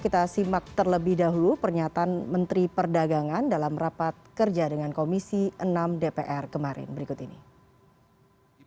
kita simak terlebih dahulu pernyataan menteri perdagangan dalam rapat kerja dengan komisi enam dpr kemarin berikut ini